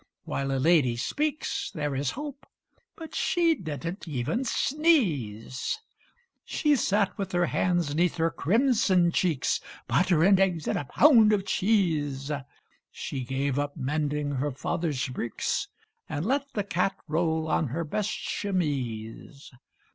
While a lady speaks There is hope, but she didn't even sneeze. She sat with her hands 'neath her crimson cheeks; (Butter and eggs and a pound of cheese) She gave up mending her father's breeks, And let the cat roll on her best chemise.